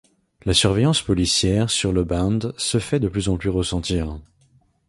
La surveillance policière sur le Bund se fait de plus en plus ressentir.